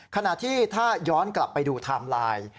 ขณะที่ถ้าย้อนกลับไปดูไทม์ไลน์